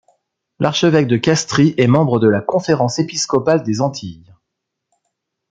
L’archevêque de Castries est membre de la conférence épiscopale des Antilles.